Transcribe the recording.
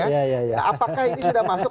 apakah ini sudah masuk